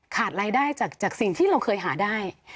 ขาดรายได้จากสิ่งที่เราเคยหาได้